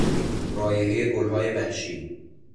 رایحهی گلهای وحشی